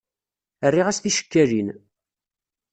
Rriɣ-as ticekkalin.